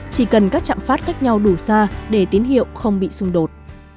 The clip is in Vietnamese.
chỉ cần các chạm phát cách nhau đủ xa để tín hiệu không bị xung đột